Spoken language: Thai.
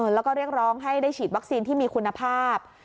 แล้วก็เรียกร้องให้ได้ฉีดวัคซีนที่มีคุณภาพ